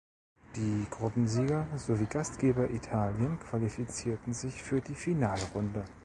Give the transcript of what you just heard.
Die Gruppensieger sowie Gastgeber Italien qualifizierten sich für die Finalrunde.